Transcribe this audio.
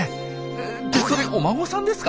ってそれお孫さんですか？